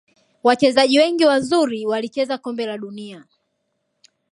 Wachezaji wengi wazuri walicheza kombe la dunia